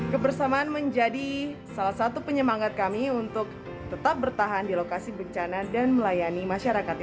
kebersamaan menjadi salah satu penyemangat kami untuk tetap bertahan di lokasi bencana dan melayani masyarakat